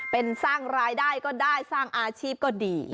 เป็นสร้างรายได้ก็ได้สร้างอาชีพก็ดี